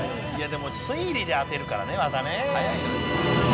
でも推理で当てるからねまたね。